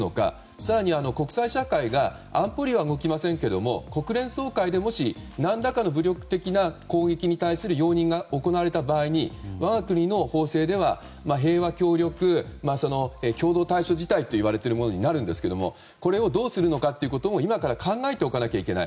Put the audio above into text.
更に国際社会が安保理は動きませんけども国連総会でもし何らかの武力的な攻撃に対する容認が行われた場合に我が国の法制では平和協力共同対処事態になるんですけどもこれをどうするのかも今から考えておかなきゃいけない。